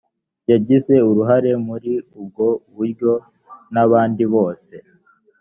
yagize uruhare muri ubwo buryo n abandi bose